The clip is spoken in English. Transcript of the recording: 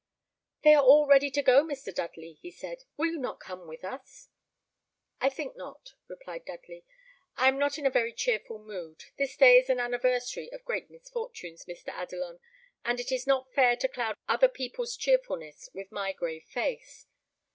"They are all ready to go, Mr. Dudley," he said. "Will you not come with us?" "I think not," replied Dudley; "I am not in a very cheerful mood. This day is an anniversary of great misfortunes, Mr. Adelon, and it is not fair to cloud other people's cheerfulness with my grave face."